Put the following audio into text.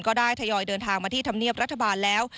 ได้ทยอยเดินทางมาที่ธรรมเนียบรัฐบาลแล้ว